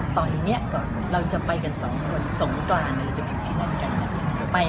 คือยายตัวหน้าเนี่ย